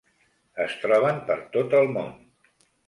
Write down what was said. Es troben per tot el món.